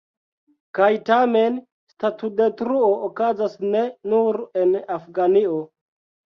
Kaj tamen, statudetruo okazas ne nur en Afganio.